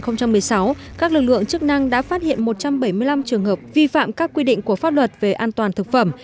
năm hai nghìn một mươi sáu các lực lượng chức năng đã phát hiện một trăm bảy mươi năm trường hợp vi phạm các quy định của pháp luật về an toàn thực phẩm